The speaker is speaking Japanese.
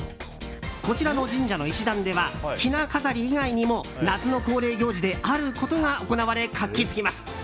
こちらの神社の石段ではひな飾り以外にも夏の恒例行事であることが行われ活気づきます。